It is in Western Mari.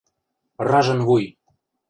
Ыражын вуй!